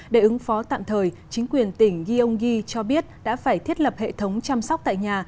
để ứng phó tạm thời chính quyền tỉnh gyeonggi cho biết đã phải thiết lập hệ thống chăm sóc tại nhà